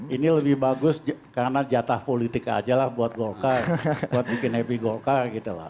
ini lebih bagus karena jatah politik aja lah buat golkar buat bikin happy golkar gitu lah